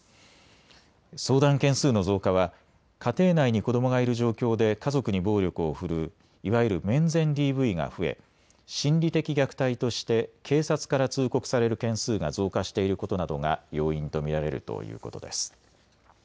相談件数の増加は家庭内に子どもがいる状況で家族に暴力を振るういわゆる面前ＤＶが増え心理的虐待として警察から通告される件数が増加していることなどが要因と見られるということです。